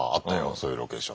そういうロケーション。